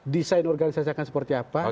desain organisasi akan seperti apa